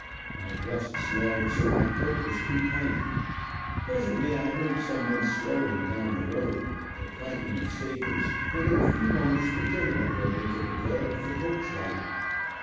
My breast swelled so my coat was too tight. Presently I heard some one swearing down the road, the clanking of sabres, and in a few moments the general rode into the glare of the torch light.